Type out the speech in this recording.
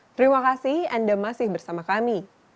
terima kasih anda masih bersama kami